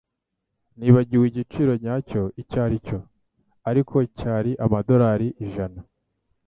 Nibagiwe igiciro nyacyo icyo aricyo, ariko cyari amadorari ijana.